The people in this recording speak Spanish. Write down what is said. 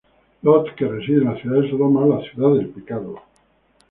Lot, que reside en el ciudad de Sodoma, la ciudad del pecado.